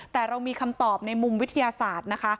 แต่เรามีคำตอบในมุมวิทยาศาสตร์นะคะ